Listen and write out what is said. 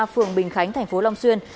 phường bình khánh tp long xuyên